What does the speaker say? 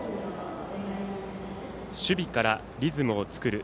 守備からリズムを作る。